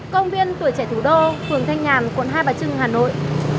công viên tuổi trẻ thủ đô phường thanh nhàn quận hai bà trưng hà nội